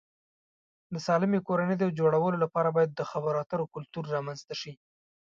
د سالمې کورنۍ د جوړولو لپاره باید د خبرو اترو کلتور رامنځته شي.